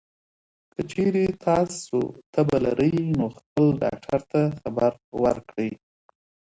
که چېرې تاسو تبه لرئ، نو خپل ډاکټر ته خبر ورکړئ.